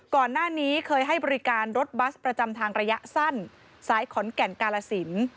ก่อนหน้านี้เคยให้บริการรถบัสประจำทางระยะสั้นสายขอนแก่นกาลสิน